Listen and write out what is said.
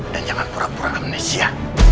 dan jangan pura pura amnesia